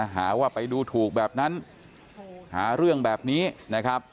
หาว่าไปดูถูกแบบนั้นหาเรื่องแบบนี้นะครับ